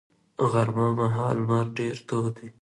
غرمه مهال لمر ډېر تود وي